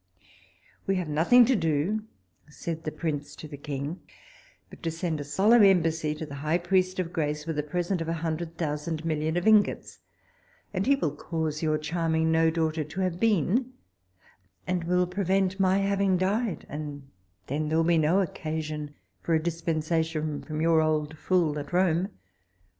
"We have nothing to do, said the prince to the king, but to send a solemn embassy to the high priest of grace, with a present of a hundred thousand million of ingots, and he will cause your charming no daughter to have been, and will prevent my having died, and then there will be no occasion for a dispensation from your old fool at Rome."